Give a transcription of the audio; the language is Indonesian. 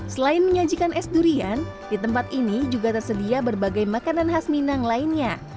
selain menyajikan es durian di tempat ini juga tersedia berbagai makanan khas minang lainnya